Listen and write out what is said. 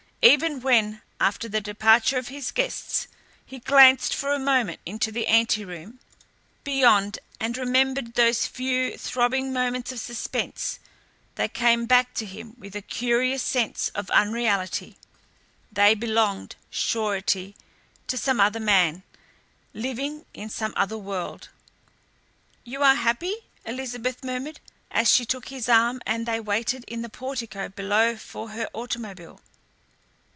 Even when, after the departure of his guests, he glanced for a moment into the anteroom beyond and remembered those few throbbing moments of suspense, they came back to him with a curious sense of unreality they belonged, surety, to some other man, living in some other world! "You are happy?" Elizabeth murmured, as she took his arm and they waited in the portico below for her automobile.